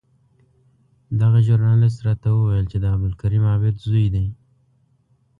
دغه ژورنالېست راته وویل چې د عبدالکریم عابد زوی دی.